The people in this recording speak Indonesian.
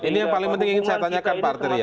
ini yang paling penting ingin saya tanyakan pak arteria